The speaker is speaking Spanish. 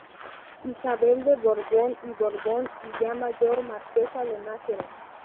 Isabel de Borbón y Borbón y ya mayor, Marquesa de Nájera.